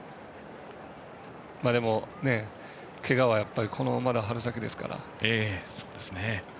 でも、けがは、まだ春先ですから。